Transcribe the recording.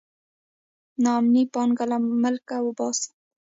نا امني پانګه له ملکه وباسي.